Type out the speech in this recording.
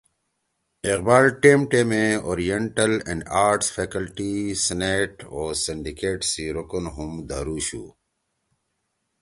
اقبال ٹیم ٹیمے اوریئنٹل اینڈ آرٹس فیکلٹی، سینیٹ او سٹڈیکیٹ سی رُکن ہُم دھرُوشُو